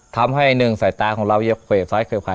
ทำให้หนึ่งใส่ตาของเรายับเขวบซ้ายเขวบขวาย